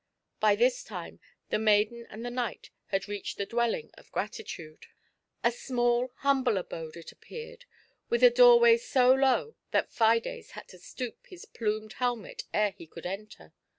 By this time the maiden and the knight had reached the dwelling of Gratitude. A small, humble abode it appeared, with a doorway so low that Fides had to stoop his plumed helmet ere he could enter.